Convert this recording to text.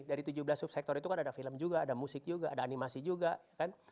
dari tujuh belas subsektor itu kan ada film juga ada musik juga ada animasi juga ya kan